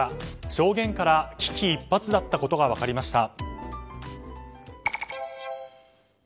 証言から危機一髪だったことが分かりました。